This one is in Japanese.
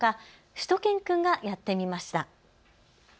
しゅと犬くんがやってみました。